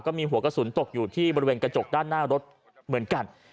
มีหัวกระสุนตกอยู่ที่บริเวณกระจกด้านหน้ารถเหมือนกัน